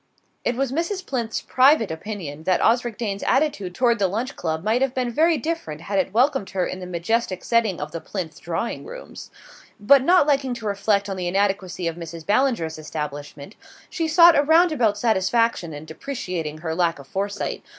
It was Mrs. Plinth's private opinion that Osric Dane's attitude toward the Lunch Club might have been very different had it welcomed her in the majestic setting of the Plinth drawing rooms; but not liking to reflect on the inadequacy of Mrs. Ballinger's establishment she sought a roundabout satisfaction in depreciating her lack of foresight.